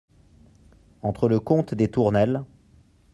Entre le comte des Tournelles.